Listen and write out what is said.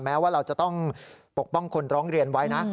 แม้ว่าเราจะต้องปกป้องคนร้องเรียนไว้นะ